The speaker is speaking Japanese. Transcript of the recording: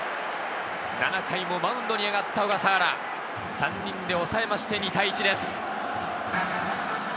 ７回もマウンドに上がった小笠原、３人で抑えまして２対１です。